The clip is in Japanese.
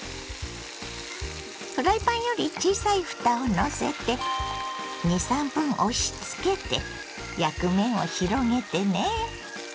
フライパンより小さいふたをのせて２３分押しつけて焼く面を広げてね。